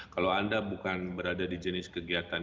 kalau anda bukan berada di jenis kegiatan